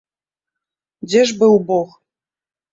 Дзе ж быў бог!